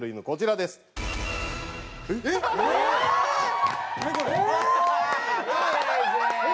こちらです。